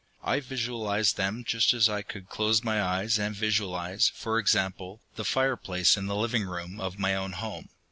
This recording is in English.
I visualized them just as I could close my eyes and visualize, for example, the fireplace in the living room of my own home.